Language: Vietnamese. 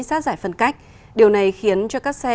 sát giải phân cách điều này khiến cho các xe